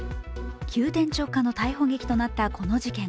急転直下の逮捕劇となったこの事件。